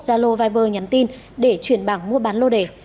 zalo viber nhắn tin để chuyển bảng mua bán lô đề